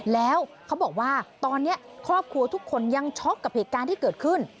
แล้วเขาบอกว่าตอนนี้ครอบครัวทุกคนยังช็อกกับเหตุการณ์ที่เกิดขึ้น